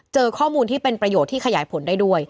เจอข้อมูลที่เป็นประโยชน์ที่ขยายผลได้ด้วย